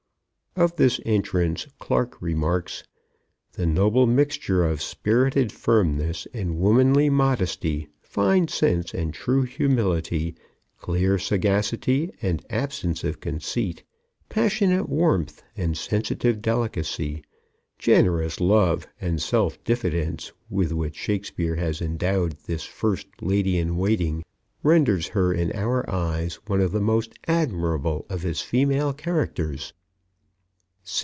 Of this entrance Clarke remarks: "The noble mixture of spirited firmness and womanly modesty, fine sense and true humility, clear sagacity and absence of conceit, passionate warmth and sensitive delicacy, generous love and self diffidence with which Shakespeare has endowed this First Lady in Waiting renders her in our eyes one of the most admirable of his female characters."